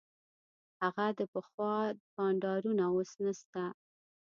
هغه د پخوا بانډارونه اوس نسته.